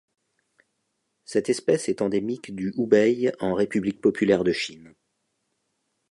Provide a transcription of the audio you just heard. Cette espèce est endémique du Hubei en République populaire de Chine.